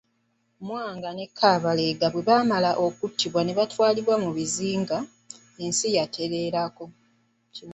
Mwanga ne Kabalega bwe baamala okukwatibwa ne batwalibwa mu bizinga, ensi yetereerako.